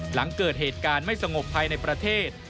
หลังเกิดเหตุการณ์ไม่สงบภายในประเทศ